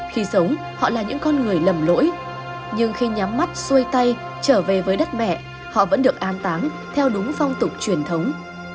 khi sống họ là những con người lầm lỗi nhưng khi nhắm mắt xuôi tay trở về với đất mẹ họ vẫn được an táng theo đúng phong tục truyền thống